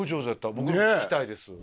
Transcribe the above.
僕も聴きたいです。